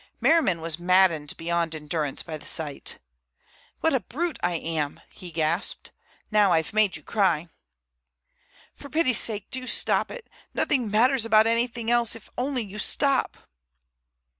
Merriman was maddened beyond endurance by the sight "What a brute I am!" he gasped. "Now I've made you cry." "For pity's sake! Do stop it! Nothing matters about anything else if only you stop!"